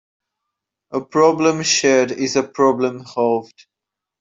A problem shared is a problem halved.